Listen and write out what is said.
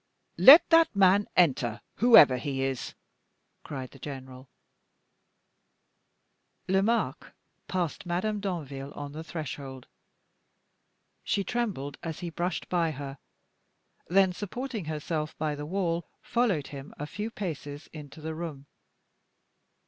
"Let that man enter, whoever he is!" cried the general. Lomaque passed Madame Danville on the threshold. She trembled as he brushed by her; then, supporting herself by the wall, followed him a few paces into the room.